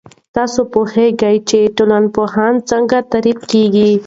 تاسو پوهیږئ چې ټولنپوهنه څنګه تعريف کیږي؟